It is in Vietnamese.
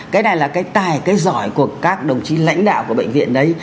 cái này là cái tài cái giỏi của các đồng chí lãnh đạo của bệnh viện đấy